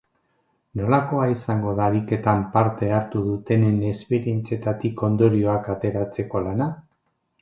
Nolakoa izango da ariketan parte hartu dutenen esperientzietatik ondorioak ateratzeko lana?